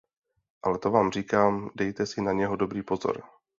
Ale to vám říkám: dejte si na něho dobrý pozor.